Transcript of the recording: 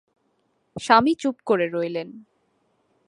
স্বামী চুপ করে রইলেন।